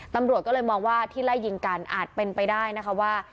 ตำรวจก็เลยมองว่าที่ไล่ยิงกันอาจเป็นไปได้นะคะว่า